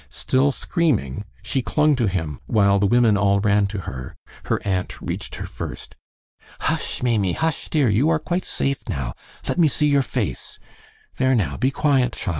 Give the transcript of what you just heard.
Still screaming, she clung to him, while the women all ran to her. Her aunt reached her first. "Hush, Maimie; hush, dear. You are quite safe now. Let me see your face. There now, be quiet, child.